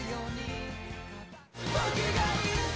「僕がいるぞ！